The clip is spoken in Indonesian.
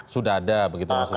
sudah ada begitu maksudnya